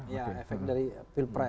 ya efek dari pilpres